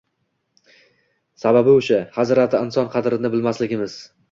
Sababi o‘sha – hazrati Inson qadrini bilmasligimiz.